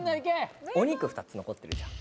お肉２つ残ってるじゃん